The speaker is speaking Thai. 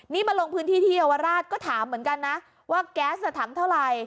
นี่มาลงพื้นที่ที่เยาวราชก็ถามเหมือนกันนะว่าแก๊สถังเท่าไหร่